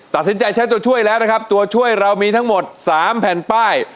ตัดสินใจใช้ตัวช่วยแล้วนะครับตัวช่วยเรามีทั้งหมด๓แผ่นป้าย